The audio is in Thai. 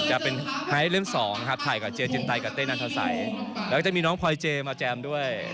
ให้เล่มสองภัยกับเจียจินไตกับเต้นันทาสัยแล้วก็จะมีน้องพอยเจมาแจมด้วย